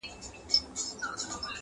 له شنو دښتونو به سندري د کیږدیو راځي!!